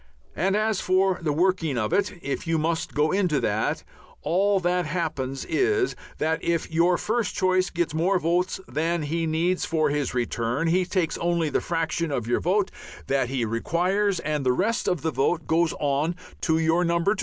And as for the working of it, if you must go into that, all that happens is that if your first choice gets more votes than he needs for his return, he takes only the fraction of your vote that he requires, and the rest of the vote goes on to your Number 2.